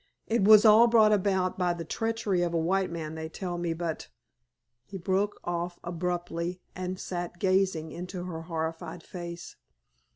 It was all brought about by the treachery of a white man, they tell me, but——" He broke off abruptly and sat gazing into her horrified face.